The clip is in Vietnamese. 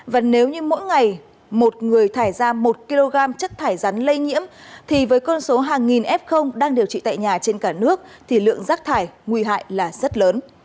và nếu như mỗi ngày một người thải ra một kg chất thải rắn lây nhiễm thì với con số hàng nghìn f đang điều trị tại nhà trên cả nước thì lượng rác thải nguy hại là rất lớn